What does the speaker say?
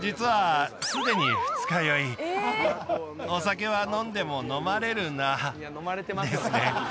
実はお酒は飲んでも飲まれるなですね